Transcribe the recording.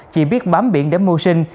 chỉ biết bám biển để mua sinh